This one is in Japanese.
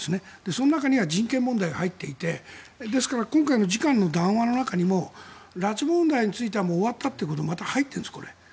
その中には人権問題が入っていてですから今回の次官の談話の中にも拉致問題についてはもう終わったということがまた入っているんです。